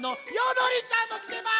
どりちゃんもきてます！